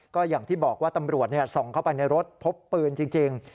ก็อย่างที่บอกว่าตำรวจส่องเข้าไปในรถพบปืนจริง